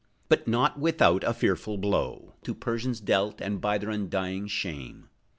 But not without a fearful blow To Persians dealt, and their undying shame.